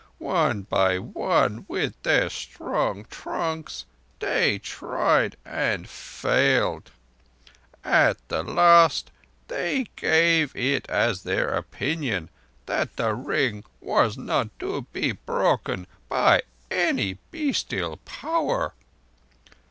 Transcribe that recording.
One by one, with their strong trunks, they tried and failed. At the last they gave it as their opinion that the ring was not to be broken by any bestial power.